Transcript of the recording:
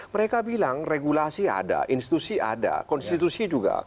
mereka bilang regulasi ada institusi ada konstitusi juga